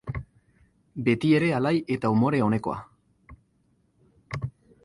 Betiere alai eta umore onekoa.